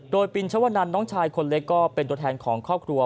โดยปินชวนันน้องชายคนเล็กก็เป็นตัวแทนของครอบครัว